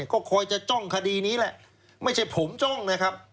ก็คอยจะจ้องคดีนี้แหละไม่ใช่ผมจ้องนะครับ